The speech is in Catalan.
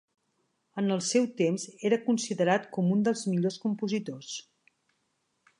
En el seu temps era considerat com un dels millors compositors.